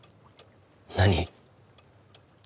何？